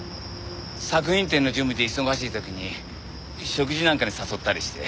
作品展の準備で忙しい時に食事なんかに誘ったりして。